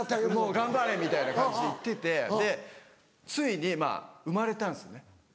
頑張れみたいな感じで行っててでついに生まれたんですね。